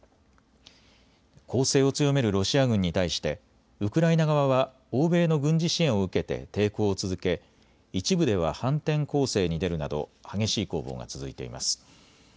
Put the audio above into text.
攻勢を強めるロシア軍に対してウクライナ側は欧米の軍事支援を受けて抵抗を続け、一部では反転攻勢に出るなど激しい攻防が続いています。